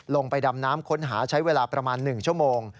ลงไปดำน้ำค้นหาใช้เวลาประมาณ๑ชั่วโมง